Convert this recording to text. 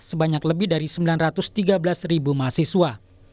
sebanyak lebih dari sembilan ratus tiga belas ribu mahasiswa